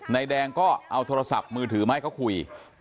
นายแดงก็เอาโทรศัพท์มือถือมาให้เขาคุย